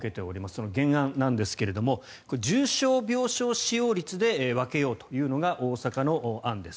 その原案なんですが重症病床使用率で分けようというのが大阪の案です。